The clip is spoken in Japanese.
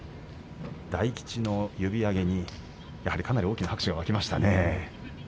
大吉の呼び上げにかなり大きな拍手が沸きましたね。